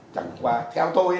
chẳng quá theo tôi